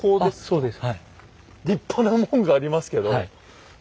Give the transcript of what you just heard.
そうです。